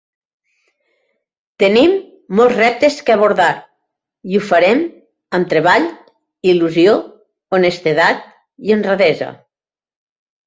Tenim molts reptes que abordar i ho farem amb treball, il·lusió, honestedat i honradesa.